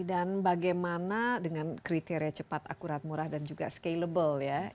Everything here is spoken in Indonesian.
dan bagaimana dengan kriteria cepat akurat murah dan juga scalable ya